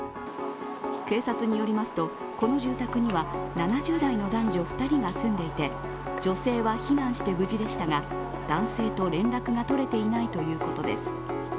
警察によりますと、この住宅には７０代の男女２人が住んでいて女性は避難して無事でしたが男性と連絡が取れていないということです。